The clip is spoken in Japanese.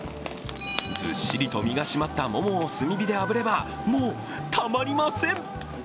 ずっしりと身が締まったももを炭火であぶれば、もうたまりません！